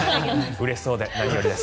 うれしそうで何よりです。